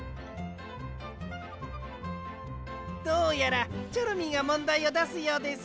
どうやらチョロミーがもんだいをだすようです。